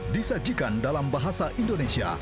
disajikan dalam bahasa indonesia